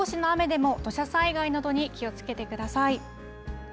少しの雨でも土砂災害などに気をつけてください。